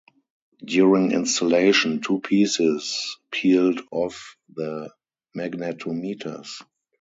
During installation, two pieces peeled off the magnetometers.